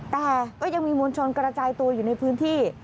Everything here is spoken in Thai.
แต่ก็ยังมีมวลชนกระจายตัวอยู่ในพื้นที่